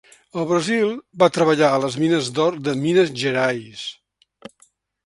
Al Brasil va treballar a les mines d'or de Minas Gerais.